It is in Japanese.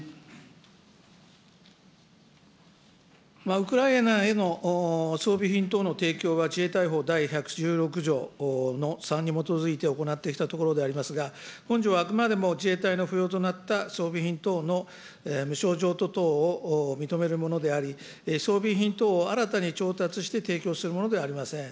ウクライナへの装備品等の提供は、自衛隊法第１１６条の３に基づいて行ってきたところでありますが、本条はあくまでも自衛隊の不要となった装備品等の無償譲渡等を認めるものであり、装備品等を新たに調達して提供するものではありません。